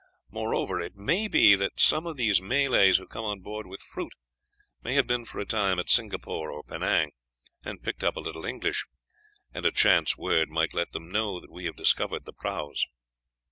Moreover, it may be that some of these Malays who come on board with fruit may have been for a time at Singapore or Penang, and picked up a little English, and a chance word might let them know that we have discovered the prahus."